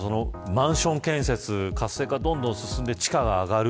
マンション建設活性化がどんどん進んで地価が上がる。